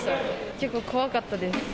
結構、怖かったです。